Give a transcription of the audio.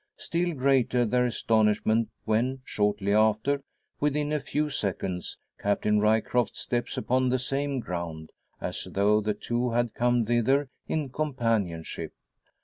Still greater their astonishment when, shortly after within a few seconds Captain Ryecroft steps upon the same ground, as though the two had come thither in companionship!